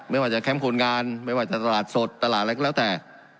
ไม่ว่าจะแคมป์คนงานไม่ว่าจะตลาดสดตลาดอะไรก็แล้วแต่